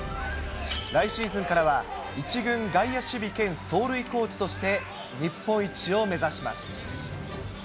来シーズンからは１軍外野守備兼走塁コーチとして、日本一を目指します。